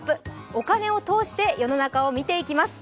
お金を通して世の中を見ていきます。